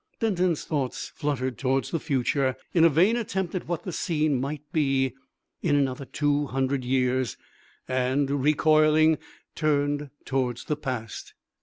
Denton's thoughts fluttered towards the future in a vain attempt at what that scene might be in another two hundred years, and, recoiling, turned towards the past.